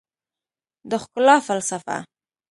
د ښکلا فلسفه